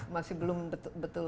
masih belum betul